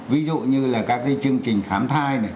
ví dụ như là các cái chương trình khám thai này